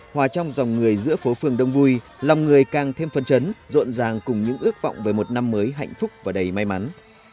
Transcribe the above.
hòa trong dòng người giữa phố phường đông vui lòng người càng thêm phân chấn rộn ràng cùng những ước vọng về một năm mới hạnh phúc và đầy may mắn